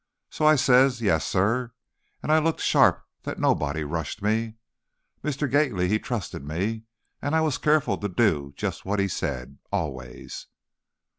So I says, 'Yes, sir,' and I looked sharp that nobody rushed me. Mr. Gately, he trusted me, and I was careful to do just what he said, always."